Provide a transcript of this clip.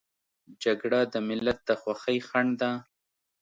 جګړه د ملت د خوښۍ خنډ ده